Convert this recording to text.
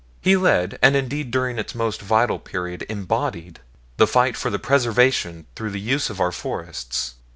He led, and indeed during its most vital period embodied, the fight for the preservation through use of our forests.